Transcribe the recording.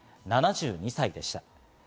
７２歳でした。